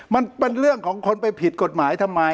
มันเป็นเรื่องของคนไปผิดกฎหมายทำไม